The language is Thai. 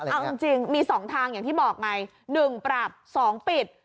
เอาจริงมี๒ทางอย่างที่บอกไง๑ปรับ๒ปิด